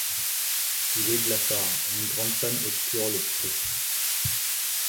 Il est blafard, une grande panne obscure l’obstrue.